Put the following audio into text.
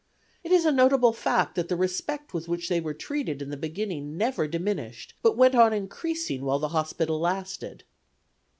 It is a notable fact that the respect with which they were treated in the beginning never diminished, but went on increasing while the hospital lasted.